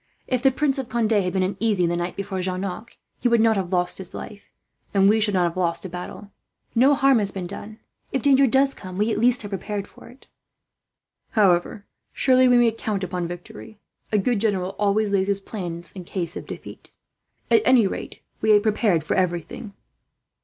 "If the Prince of Conde had been uneasy, the night before Jarnac, he would not have lost his life, and we should not have lost a battle. No harm has been done. If danger does come, we at least are prepared for it." "You are quite right, Pierre. However surely he may count upon victory, a good general always lays his plans in case of defeat. At any rate, we have prepared for everything."